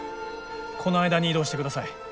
この間に移動してください。